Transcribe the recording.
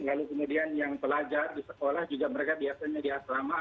lalu kemudian yang pelajar di sekolah juga mereka biasanya di asrama